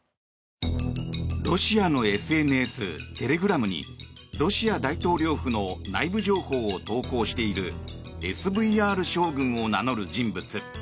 ロシアのＳＮＳ、テレグラムにロシア大統領府の内部情報を投稿しているＳＶＲ将軍を名乗る人物。